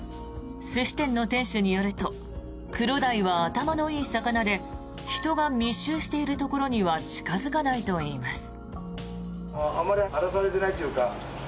寿司店の店主によるとクロダイは頭のいい魚で人が密集しているところには近付かないといいます。